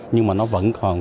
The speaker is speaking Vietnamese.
nhưng mà nó vẫn còn phàn nàn